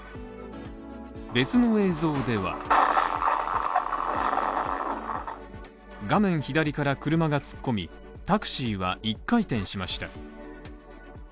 別の映像では画面左から車が突っ込みタクシーは１回転しました。